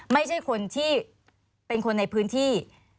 ไม่ใช่คนที่เป็นคนในพื้นที่